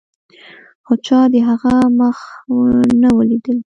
خو چا د هغه مخ نه و لیدلی.